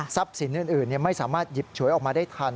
สินอื่นไม่สามารถหยิบฉวยออกมาได้ทัน